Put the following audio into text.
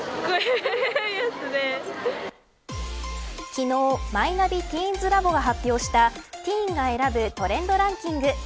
昨日、マイナビティーンズラボが発表したティーンが選ぶトレンドランキング。